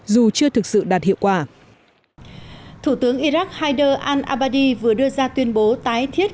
dù chưa thực sự đạt hiệu quả thủ tướng iraq haider al abadi vừa đưa ra tuyên bố tái thiết